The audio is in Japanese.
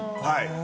はい。